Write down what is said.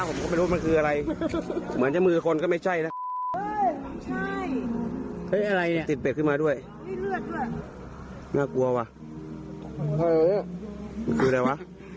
ขึ้นมาดิขึ้นมาหนักกว่า